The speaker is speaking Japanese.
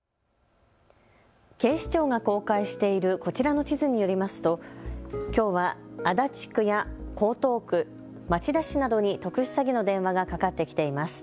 警視庁が公開しているこちらの地図によりますときょうは足立区や江東区、町田市などに特殊詐欺の電話がかかってきています。